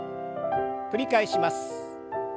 繰り返します。